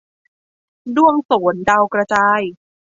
ด้วงโสน-ดาวกระจาย